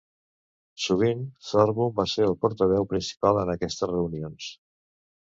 Sovint, Thorburn va ser el portaveu principal en aquestes reunions.